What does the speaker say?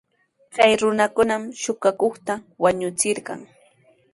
Chay runakunam suqakuqta wañuchirqan.